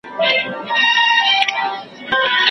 داسي آثار پرېښودل